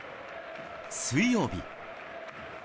水曜日。